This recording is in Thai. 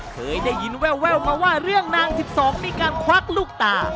เคยได้ยินแววมาว่าเรื่องนาง๑๒มีการควักลูกตา